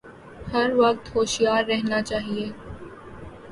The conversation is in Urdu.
ہر وقت ہوشیار رہنا چاہیے